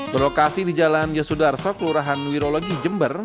berlokasi di jalan yosudar soek kelurahan wirologi jember